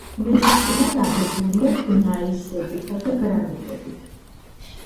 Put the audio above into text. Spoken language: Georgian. მეტწილად აგებულია გნაისებითა და გრანიტებით.